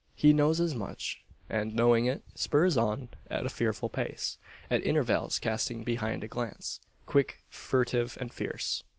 He knows as much; and, knowing it, spurs on at a fearful pace at intervals casting behind a glance, quick, furtive, and fierce.